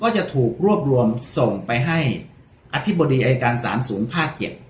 จะถูกรวบรวมส่งไปให้อธิบดีอายการสารสูงภาค๗